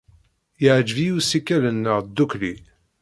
Yeɛjeb-iyi ussikel-nneɣ ddukkli.